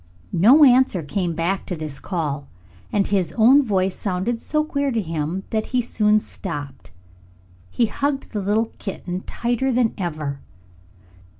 No answer came back to this call, and his own voice sounded so queer to him that he soon stopped. He hugged the kitten tighter than ever.